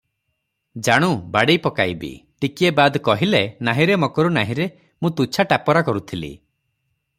ଜାଣୁ, ବାଡ଼େଇ ପକାଇବି ।” ଟିକିଏ ବାଦ୍ କହିଲେ, “ନାହିଁରେ ମକରୁ ନାହିଁରେ, ମୁଁ ତୁଚ୍ଛା ଟାପରା କରୁଥିଲି!